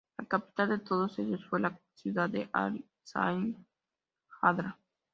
La capital de todos ellos fue la ciudad de Al-Yazirat Al-Hadra.